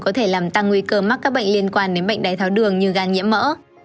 có thể làm tăng nguy cơ mắc các bệnh liên quan đến bệnh đáy tháo đường như gan nhiễm mỡ